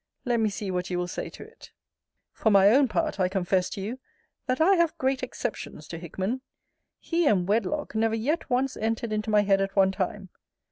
Let me see what you will say to it. For my own part, I confess to you, that I have great exceptions to Hickman. He and wedlock never yet once entered into my head at one time.